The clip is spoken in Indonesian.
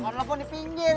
orang lo pun di pinggir